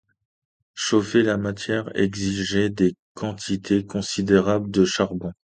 Chauffer la matière exigeait des quantités considérables de charbon.